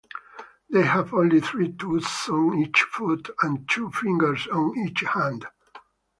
They have only three toes on each foot, and two fingers on each hand.